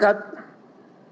kami telah sepakat